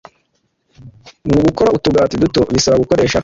Mu gukora utugati duto bisaba gukoresha